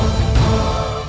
aku akan bicara padanya